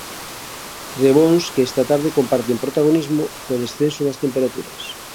Trebóns que esta tarde comparten protagonismo co descenso das temperaturas.